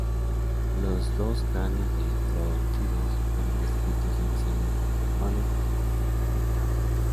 Los dos cráneos de troodóntidos fueron descritos inicialmente por Norell "et al".